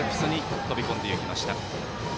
アルプスに飛び込んでいきました。